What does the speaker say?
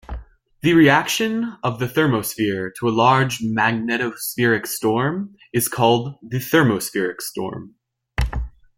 The reaction of the thermosphere to a large magnetospheric storm is called thermospheric storm.